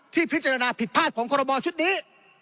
ที่พิจารณาผิดภาดของบ์โลมพลชุดนี้